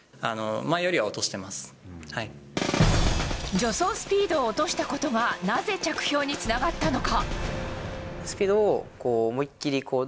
助走スピードを落としたことがなぜ着氷につながったのか。